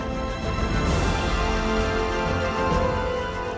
jangan lupa like share dan subscribe